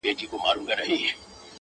چي مي بایللی و ـ وه هغه کس ته ودرېدم ـ